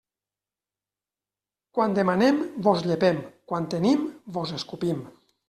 Quan demanem vos llepem; quan tenim, vos escopim.